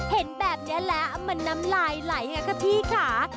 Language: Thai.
เห็นแบบนี้แล้วมันน้ำไหลให้กับพี่ขา